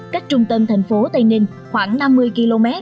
cách trung tâm thành phố tây ninh khoảng năm mươi km